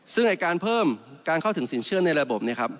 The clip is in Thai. ซึ่งในการเพิ่มการเข้าถึงสินเชื่อในระบบ